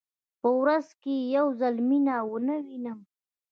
په ورځ کې که یو ځل مینه ونه وینم.